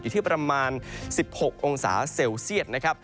อยู่ที่ประมาณ๑๖องศาเซลเซียต